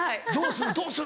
「どうする？